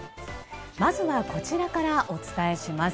まずはこちらからお伝えします。